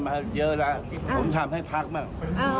มาเยอะแล้วผมทำให้พักมากอ๋อ